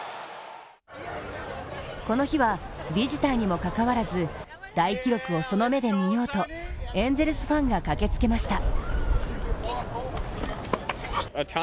この日はビジターにもかかわらず、大記録をその目で見ようとエンゼルスファンが駆けつけました。